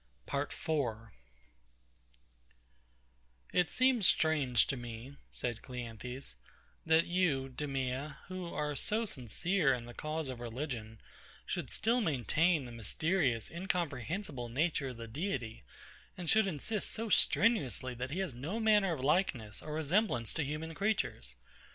PART 4 It seems strange to me, said CLEANTHES, that you, DEMEA, who are so sincere in the cause of religion, should still maintain the mysterious, incomprehensible nature of the Deity, and should insist so strenuously that he has no manner of likeness or resemblance to human creatures.